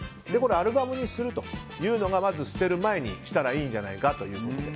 アルバムにするというのがまず捨てる前にしたらいいんじゃないかということで。